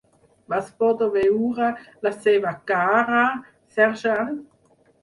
Vas poder veure la seva cara, Sergeant?